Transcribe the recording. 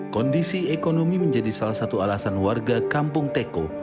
kondisi ekonomi menjadi salah satu alasan warga kampung teko